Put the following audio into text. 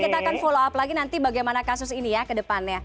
kita akan follow up lagi nanti bagaimana kasus ini ya ke depannya